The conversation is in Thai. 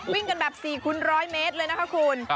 วิ่งกันแบบ๔คุณร้อยเมตรนะคะคุณ